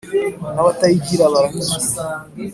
n’abatayigira baranyuzwe